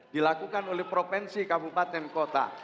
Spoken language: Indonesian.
dilakukan oleh provinsi kabupaten kota